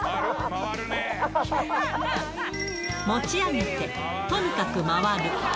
持ち上げて、とにかく回る。